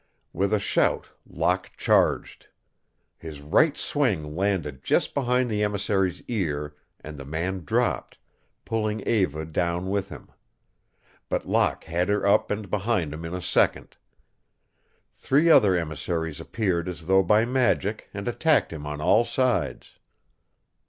With a shout Locke charged. His right swing landed just behind the emissary's ear and the man dropped, pulling Eva down with him. But Locke had her up and behind him in a second. Three other emissaries appeared as though by magic and attacked him on all sides.